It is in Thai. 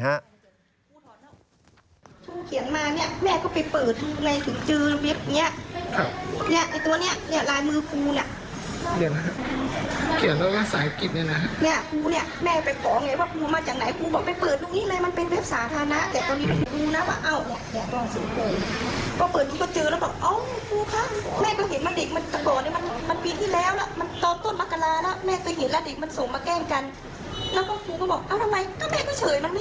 แม่ก็เห็นว่าเด็กมันต่างต่อวันมันต้นเมื่อกราคาแล้วมันเสาระส่งมาแกล้งกันแล้วเข้าให้เพาท้องหาว่าตอนที่ลูกมาอยู่เมื่อ๒๒๕